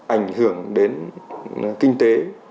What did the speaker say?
ảnh hưởng đến kinh tế